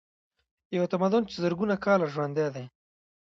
یو تمدن چې زرګونه کاله ژوندی دی.